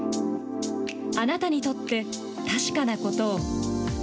あなたにとって確かなことを。